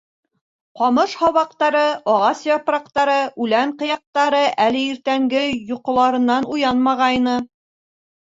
Ҡамыш һабаҡтары, ағас япраҡтары, үлән ҡыяҡтары әле иртәнге йоҡоларынан уянмағайны.